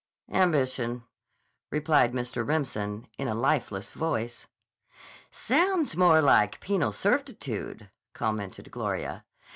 "Ambition," replied Mr. Remsen in a lifeless voice. "Sounds more like penal servitude," commented Gloria.